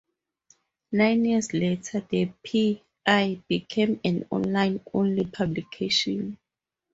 Nine years later, the "P-I" became an online-only publication.